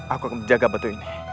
aku akan menjaga betul ini